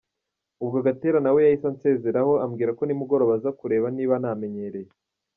Ubwo Gatera we yahise ansezeraho ambwira ko nimugoroba aza kureba niba namenyereye.